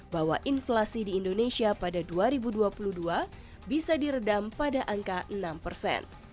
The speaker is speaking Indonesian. bahwa inflasi di indonesia pada dua ribu dua puluh dua bisa diredam pada angka enam persen